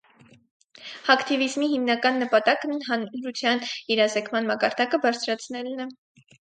Հաքթիվիզմի հիմնական նպատակն հանրության իրազեկման մակարդակը բարձրացնելն է։